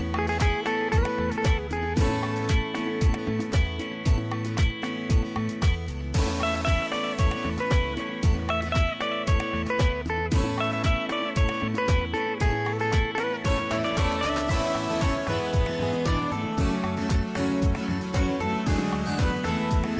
โปรดติดตามตอนต่อไป